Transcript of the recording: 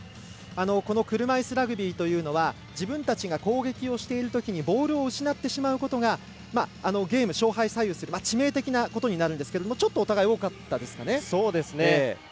車いすラグビーというのは自分たちが攻撃をしているときにボールを失ってしまうことがゲームの勝敗を左右する致命的なことになるんですけどちょっと、お互い多かったですかね。